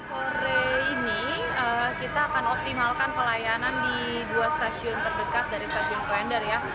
sore ini kita akan optimalkan pelayanan di dua stasiun terdekat dari stasiun klender ya